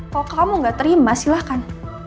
kok kamu gak terima silahkan